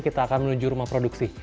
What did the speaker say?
kita akan menuju rumah produksi